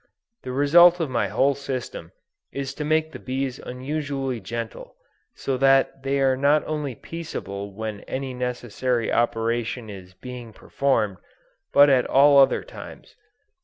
The result of my whole system, is to make the bees unusually gentle, so that they are not only peaceable when any necessary operation is being performed, but at all other times.